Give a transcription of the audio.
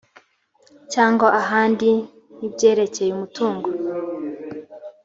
cyangwa ahandi n ibyerekeye umutungo